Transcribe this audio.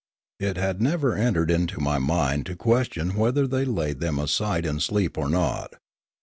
It had never entered into my mind to question whether they laid them aside in sleep or not.